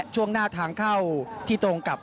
ช่วงหน้าทางเข้าที่ตรงกับ